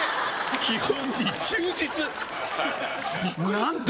基本に忠実何点？